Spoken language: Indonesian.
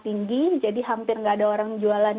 tinggi jadi hampir nggak ada orang jualan